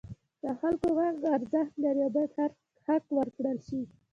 د خلکو غږ ارزښت لري او باید حق ورکړل شي.